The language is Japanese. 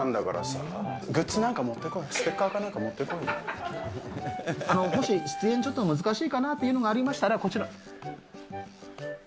グッズ、なんか持ってこい、もし出演ちょっと難しいかなっていうのがありましたら、こちら。